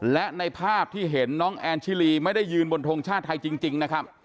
และในภาพที่เห็นน้องแอนชิลีไม่ได้ยืนบนทงชาติไทยจริงนะครับ